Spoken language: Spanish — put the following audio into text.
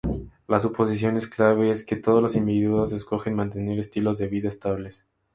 La suposición clave es que todos los individuos escogen mantener estilos de vida estables.